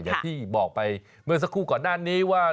อย่างที่บอกไปเมื่อสักครู่ก่อนหน้านี้ว่า